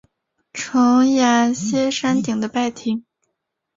重檐歇山顶的拜亭。